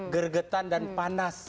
geregetan dan panas